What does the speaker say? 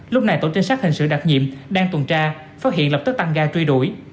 lúc này tổ trinh sát hình sự đặc nhiệm đang tuần tra phát hiện lập tức tăng ga truy đuổi